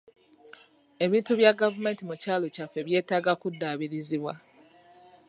Ebintu bya gavumenti mu kyalo kyaffe byetaaga kuddaabirizibwa.